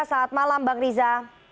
selamat malam bang riza